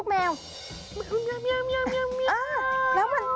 เมียว